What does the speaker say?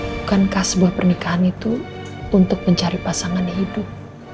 bukankah sebuah pernikahan itu untuk mencari pasangan yang hidup